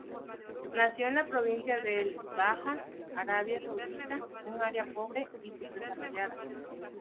Nació en la Provincia de El Baha, Arabia Saudita, un área pobre y sub-desarrollada.